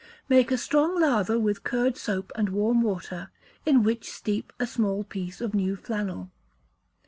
Make a strong lather with curd soap and warm water, in which steep a small piece of new flannel.